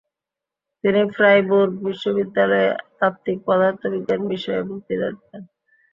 তিনি ফ্রাইবুর্গ বিশ্ববিদ্যালয়ে তাত্ত্বিক পদার্থবিজ্ঞান বিষয়ে বক্তৃতা দিতেন।